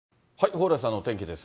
蓬莱さんのお天気です。